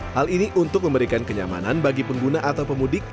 hal ini untuk memberikan kenyamanan bagi pengguna atau pemudik